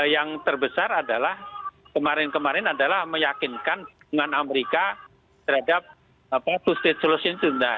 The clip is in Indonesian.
yang terbesar adalah kemarin kemarin adalah meyakinkan dengan amerika terhadap to state solution